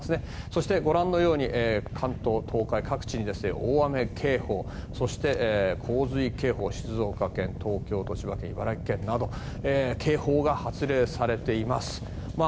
そして、ご覧のように関東、東海各地に大雨警報そして、洪水警報が静岡県、東京都千葉県、茨城県など警報が発令されています。